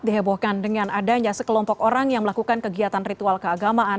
dihebohkan dengan adanya sekelompok orang yang melakukan kegiatan ritual keagamaan